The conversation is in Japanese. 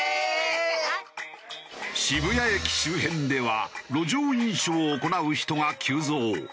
渋谷駅周辺では路上飲酒を行う人が急増。